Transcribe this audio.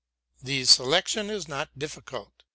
The selection is not difficult.